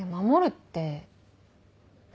って何？